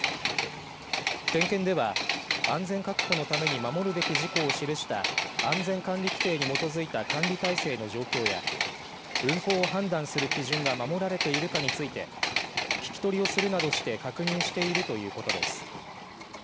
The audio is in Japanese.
点検では安全確保のために守るべき事項を記した安全管理規程に基づいた管理体制の状況や運航を判断する基準が守られているかについて聞き取りをするなどして確認しているということです。